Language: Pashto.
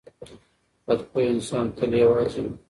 بد خویه انسان تل یوازې وي.